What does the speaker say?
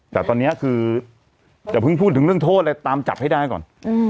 แต่ตอนนี้คืออย่าเพิ่งพูดถึงเรื่องโทษเลยตามจับให้ได้ก่อน